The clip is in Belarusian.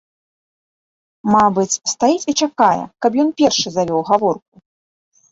Мабыць, стаіць і чакае, каб ён першы завёў гаворку.